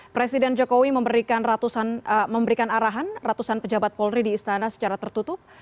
presiden jokowi memberikan arahan ratusan pejabat polri di istana secara tertutup